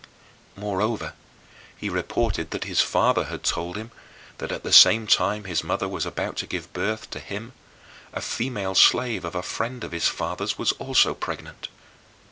Moreover, he reported that his father had told him that, at the same time his mother was about to give birth to him [Firminus], a female slave of a friend of his father's was also pregnant.